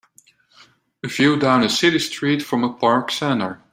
A view down a city street from a park center.